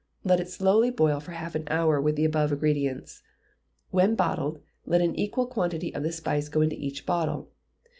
Let it slowly boil for half an hour with the above ingredients; when bottled, let an equal quantity of the spice go into each bottle.